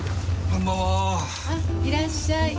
あっいらっしゃい。